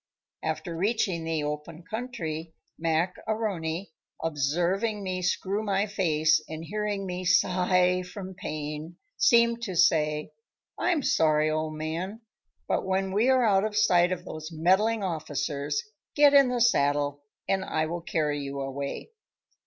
After reaching the open country Mac A'Rony, observing me screw my face and hearing me sigh from pain, seemed to say: "I'm sorry, old man, but when we are out of sight of those meddling officers, get in the saddle and I will carry you a way."